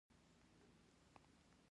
خو څوک رانغلل، ځکه ډېر وخت تېر شوی وو.